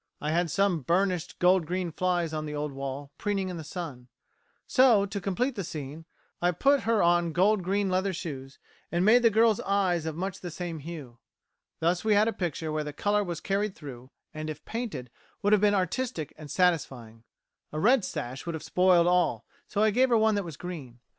I had some burnished gold green flies on the old wall, preening in the sun; so, to complete the scene, I put her on gold green leather shoes, and made the girl's eyes of much the same hue. Thus we had a picture where the colour was carried through, and, if painted, would have been artistic and satisfying. A red sash would have spoiled all, so I gave her one that was green.